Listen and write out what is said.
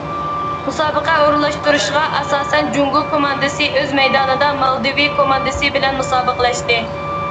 مۇسابىقە ئورۇنلاشتۇرۇشىغا ئاساسەن جۇڭگو كوماندىسى ئۆز مەيدانىدا مالدىۋې كوماندىسى بىلەن مۇسابىقىلەشتى.